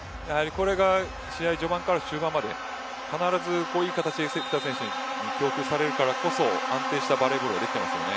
これが試合序盤から終盤まで関田選手に集められるからこそ安定したバレーボールができていますね。